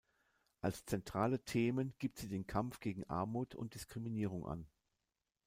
Als zentrale Themen gibt sie den Kampf gegen Armut und Diskriminierung an.